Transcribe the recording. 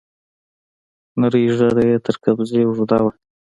نرۍ ږيره يې تر قبضه اوږده وه.